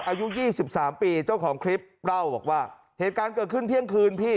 อายุยี่สิบสามปีเจ้าของคริปบลัดว่าเหตุการณ์เกิดขึ้นเที่ยงคืนพี่